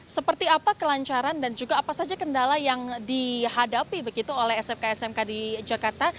seperti apa kelancaran dan juga apa saja kendala yang dihadapi begitu oleh smk smk di jakarta